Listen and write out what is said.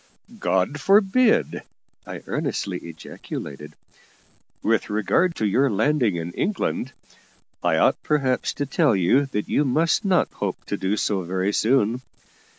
"God forbid!" I earnestly ejaculated. "With regard to your landing in England, I ought perhaps to tell you that you must not hope to do so very soon.